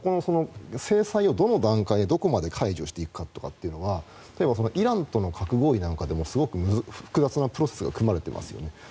制裁をどの段階でどこまで解除していくかというのがイランとの核合意なんかでもすごく複雑なプロセスが組まれていますよね。